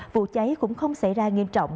vụ cháy cũng không xảy ra nghiêm trọng